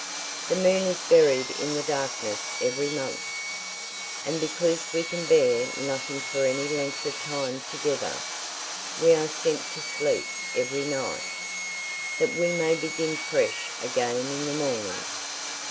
The moon is buried in the darkness every month. And because we can bear nothing for any length of time together, we are sent to sleep every night, that we may begin fresh again in the morning."